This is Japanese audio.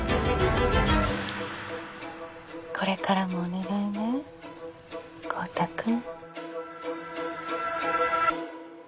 これからもお願いね昊汰君。